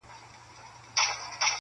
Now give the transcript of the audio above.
یزید به لکه خلی د زمان بادونه یوسي -